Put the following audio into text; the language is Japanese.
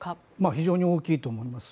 非常に大きいと思います。